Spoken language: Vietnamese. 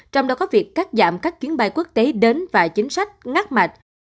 trong đó có việc cắt giảm các chuyến bay quốc tế đến và chính sách ngắt mạch